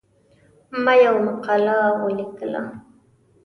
ما یوه مقاله ولیکله.